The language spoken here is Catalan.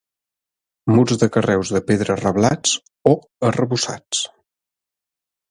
Murs de carreus de pedra reblats o arrebossats.